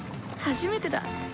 初めてだ。